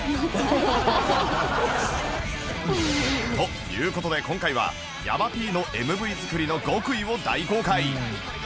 という事で今回はヤバ Ｔ の ＭＶ 作りの極意を大公開